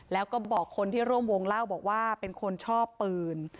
แล้วก็บอกคนที่ร่วมวงเล่าบอกว่าเป็นคนชอบปืน